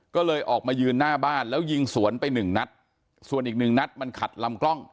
ก็เลยออกมายืนหน้าบ้านแล้วยิงสวนไปหนึ่งนัดส่วนอีกหนึ่งนัดมันขัดลำกล้อง